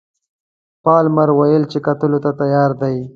پالمر وویل چې کتلو ته تیار دی.